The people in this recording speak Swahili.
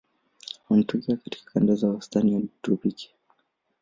Wanatokea katika kanda za wastani hadi tropiki.